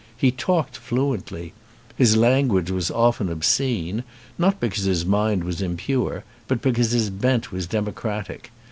He talked fluently. His language was often obscene, not because his mind was impure, but be cause his bent was democratic.